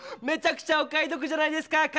めちゃくちゃお買いどくじゃないですか！